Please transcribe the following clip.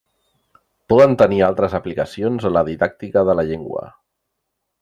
Poden tenir altres aplicacions en la didàctica de la llengua.